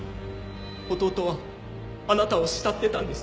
弟はあなたを慕ってたんです。